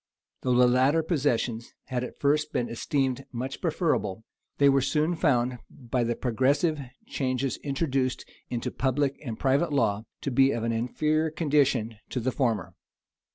Though the latter possessions had at first been esteemed much preferable, they were soon found, by the progressive changes introduced into public and private law, to be of an inferior condition to the former.